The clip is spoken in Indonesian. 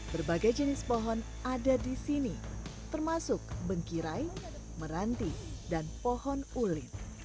berbagai jenis pohon ada di sini termasuk bengkirai meranti dan pohon ulin